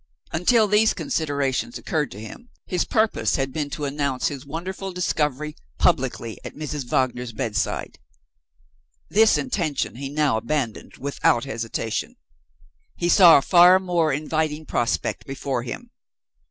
Until these considerations occurred to him, his purpose had been to announce his wonderful discovery publicly at Mrs. Wagner's bedside. This intention he now abandoned, without hesitation. He saw a far more inviting prospect before him.